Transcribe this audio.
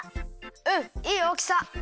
うんいいおおきさ！